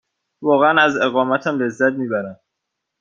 واقعاً از اقامتم لذت بردم.